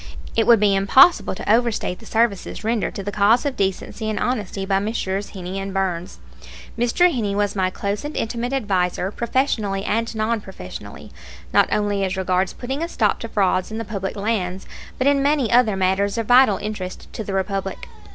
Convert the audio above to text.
It would be impossible to overstate the services rendered to the cause of decency and honesty by Messrs. Heney and Burns. Mr. Heney was my close and intimate adviser professionally and non professionally, not only as regards putting a stop to frauds in the public lands, but in many other matters of vital interest to the Republic.